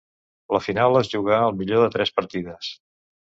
La final es jugà al millor de tres partides.